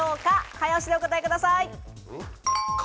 早押しでお答えください。